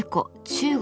中国